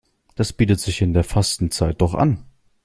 Das bietet sich in der Fastenzeit doch an.